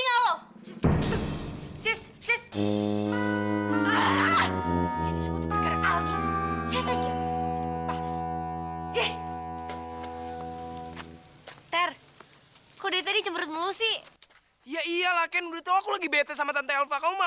aku tau kamu tuh lagi betes sama tante elva